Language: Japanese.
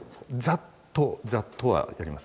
ざっとざっとはやります。